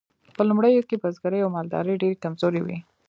په لومړیو کې بزګري او مالداري ډیرې کمزورې وې.